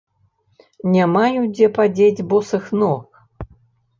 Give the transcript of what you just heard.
Не маю дзе падзець босых ног.